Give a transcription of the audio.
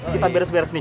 kita biar biar sini